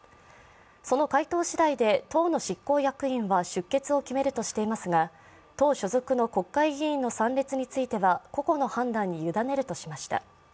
その回答しだいで党の執行役員は出欠を決めるとしていますが、党所属の国会議員の参列については個々の判断に委ねるとしました。